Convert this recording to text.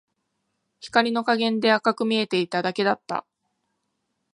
光の加減で赤く見えていただけだった